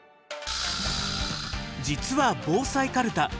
実は防災かるた